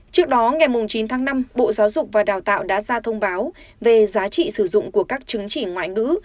trước đó ngày chín tháng năm bộ giáo dục và đào tạo đã ra thông báo về giá trị sử dụng của các chứng chỉ ngoại ngữ